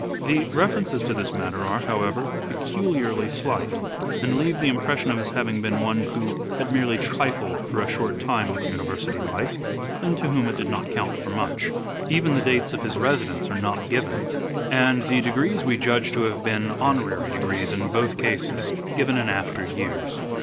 The references to this matter are, however, peculiarly slight, and leave the impression of his having been one who had merely trifled^for^short time with university life, and to whom it did not count for muchT^Everi 244 " SHAKESPEARE " IDENTIFIED . the dates of his residence are not given, and the degrees we judge to have been honorary degrees in both cases, given in after years.